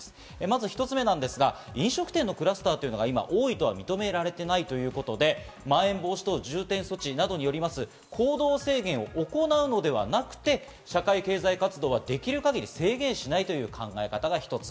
まず一つ目、飲食店のクラスターが多いとは認められていないということで、まん延防止等重点措置などによる行動制限を行うのではなくて社会経済活動はできる限り制限しないという考え方が一つ。